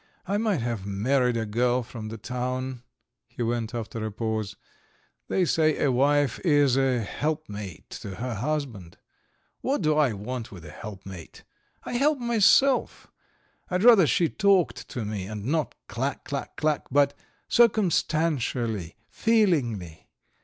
I might have married a girl from the town," he went on after a pause. "They say a wife is a helpmate to her husband. What do I want with a helpmate? I help myself; I'd rather she talked to me, and not clack, clack, clack, but circumstantially, feelingly.